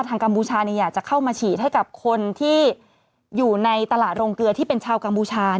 กัมพูชาอยากจะเข้ามาฉีดให้กับคนที่อยู่ในตลาดโรงเกลือที่เป็นชาวกัมพูชา